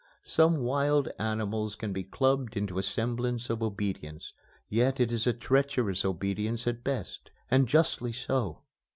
Some wild animals can be clubbed into a semblance of obedience, yet it is a treacherous obedience at best, and justly so.